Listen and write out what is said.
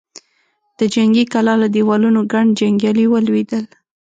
د جنګي کلا له دېوالونو ګڼ جنګيالي ولوېدل.